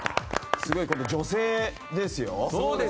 すごい、今度は女性ですよ。